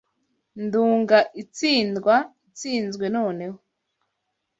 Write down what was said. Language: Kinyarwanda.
Nduga itsindwa itsinzwe noneho